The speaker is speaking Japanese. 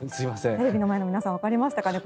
テレビの前の皆さんわかりましたかね。